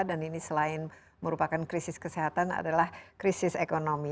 dan ini selain merupakan krisis kesehatan adalah krisis ekonomi